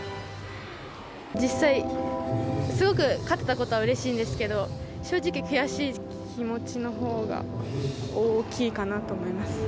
実際、すごく勝てたことはうれしいんですけど、正直、悔しい気持ちのほうが大きいかなと思います。